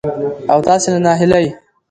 او تاسې له ناهيلۍ